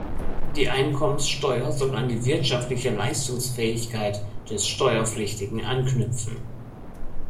Die Einkommensteuer soll an die wirtschaftliche Leistungsfähigkeit des Steuerpflichtigen anknüpfen.